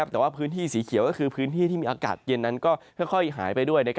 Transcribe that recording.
แต่ว่าพื้นที่สีเขียวก็คือพื้นที่ที่มีอากาศเย็นนั้นก็ค่อยหายไปด้วย